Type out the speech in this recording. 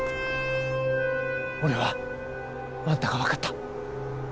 俺はあんたが分かった。